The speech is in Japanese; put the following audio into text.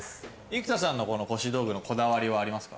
生田さんのこの腰道具のこだわりはありますか？